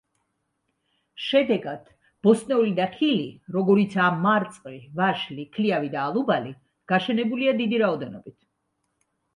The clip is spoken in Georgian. შედეგად, ბოსტნეული და ხილი, როგორიცაა მარწყვი, ვაშლი, ქლიავი და ალუბალი გაშენებულია დიდი რაოდენობით.